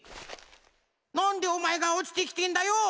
なんでおまえがおちてきてんだよ！